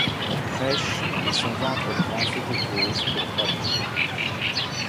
Prêche, et son ventre prend fait et cause pour Rome ;